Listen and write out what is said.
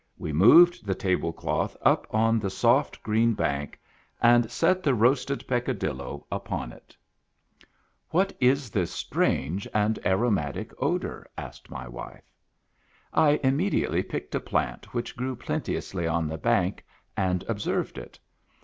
We moved the table cloth up on the soft green upon it. bank, and set the roasted Peccadillo A TROPICAL PLANT. — AN EXPLORING EXPEDITION " What is this strange and aromatic odor ?" asked my wife. I immediately picked a plant which grew plente ously on the bank, and observed it.